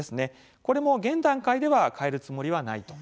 これも現段階では変えるつもりはない。